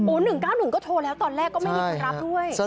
๑๙๑ก็โทรแล้วตอนแรกก็ไม่มีคนรับด้วย